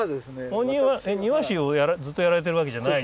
庭師をずっとやられてるわけじゃない？